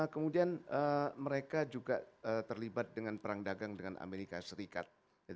kemudian mereka juga terlibat dengan perang dagang dengan amerika serikat